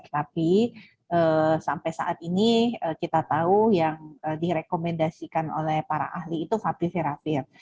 tapi sampai saat ini kita tahu yang direkomendasikan oleh para ahli itu fativiravir